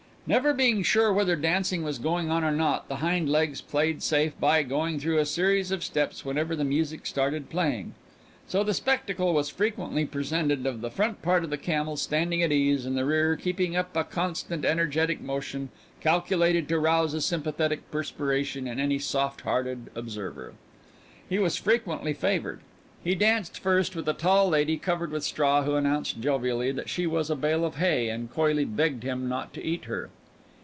Never being sure whether dancing was going on or not, the hind legs played safe by going through a series of steps whenever the music started playing. So the spectacle was frequently presented of the front part of the camel standing at ease and the rear keeping up a constant energetic motion calculated to rouse a sympathetic perspiration in any soft hearted observer. He was frequently favored. He danced first with a tall lady covered with straw who announced jovially that she was a bale of hay and coyly begged him not to eat her.